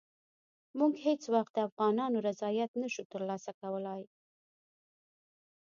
موږ هېڅ وخت د افغانانو رضایت نه شو ترلاسه کولای.